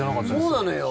そうなのよ。